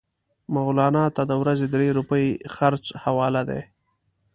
مولنا ته د ورځې درې روپۍ خرڅ حواله دي.